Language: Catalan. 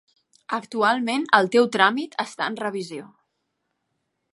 Actualment el teu tràmit està en revisió.